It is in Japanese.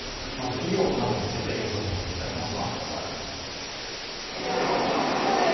医療などについて映像にまとめてあります。